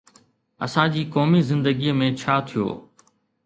اسان جي قومي زندگيءَ ۾ ڇا ٿيو؟